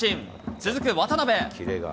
続く渡辺。